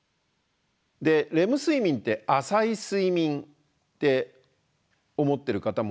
でレム睡眠って浅い睡眠って思ってる方もいるんじゃないでしょうか。